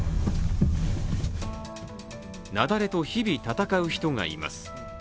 雪崩と日々、闘う人がいます。